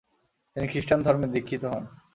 তিনি খ্রিস্টান ধর্মে দীক্ষিত হন।